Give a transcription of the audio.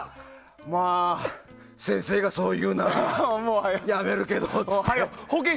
まあ、先生がそう言うならやめるけどって言って。